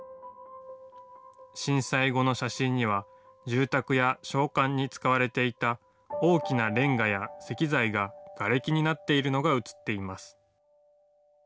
震災後の写真には、住宅や商館に使われていた大きなレンガや石材が、がれきになっているのが写っています。